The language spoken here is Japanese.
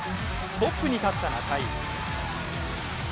トップに立った中井。